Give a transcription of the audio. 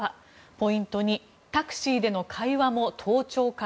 ポイント２タクシーでの会話も盗聴か？